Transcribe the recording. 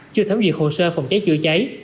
chưa thấm duyệt hồ sơ phòng cháy chữa cháy